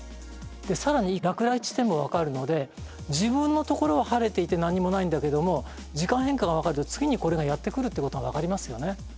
更に落雷地点もわかるので自分のところは晴れていて何もないんだけども時間変化が分かると次にこれがやってくるっていうことがわかりますよね？